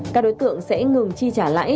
các đối tượng sẽ ngừng chi trả lãi